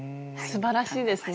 すばらしいですね。